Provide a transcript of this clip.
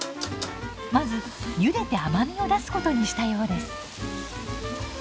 まずゆでて甘みを出すことにしたようです。